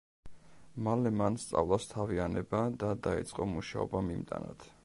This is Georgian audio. მალე მან სწავლას თავი ანება და დაიწყო მუშაობა მიმტანად.